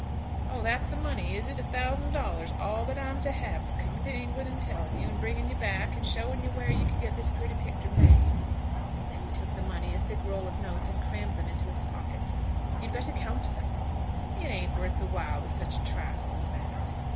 Oh; that's the money, is it? A thousand dollars; all that I'm to have for coming to England and telling you, and bringing you back, and showing you where you could get this pretty picter made." Then he took the money, a thick roll of notes, and crammed them into his pocket. "You'd better count them." "It ain't worth the while with such a trifle as that."